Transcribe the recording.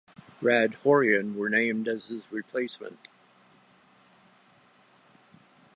Brad Horion were named as his replacement.